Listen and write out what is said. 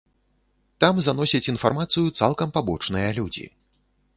Там заносяць інфармацыю цалкам пабочныя людзі.